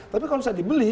tapi kalau bisa dibeli